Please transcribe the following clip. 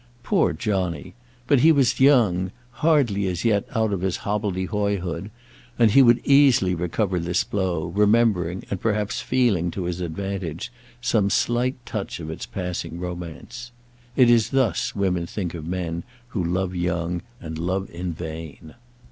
Poor Johnny! But he was young, hardly as yet out of his hobbledehoyhood, and he would easily recover this blow, remembering, and perhaps feeling to his advantage, some slight touch of its passing romance. It is thus women think of men who love young and love in vain.